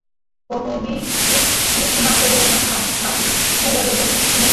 অপু দ্বিরুক্তি না করিয়া বাটি উঠাইয়া লইয়া দুধ চুমুক দিয়া খাইতে লাগিল।